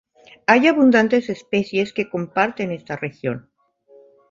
Hay abundantes especies que comparten esta región.